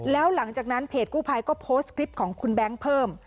แล้วหลังจากนั้นเพจกู้ภัยก็โพสต์คลิปของคุณแบงค์เพิ่ม